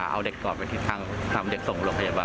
เอาเด็กกอดไปที่ทางนำเด็กส่งโรงพยาบาล